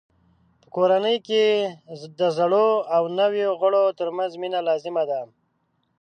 په کورنۍ کې د زړو او نویو غړو ترمنځ مینه لازمه ده.